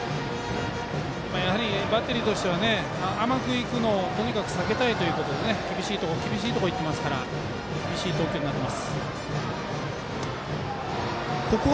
やはりバッテリーとしては甘くいくのをとにかく避けたいということで厳しいとこにいってますから厳しい投球になっています。